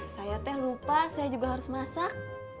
saya teh lupa saya juga harus masak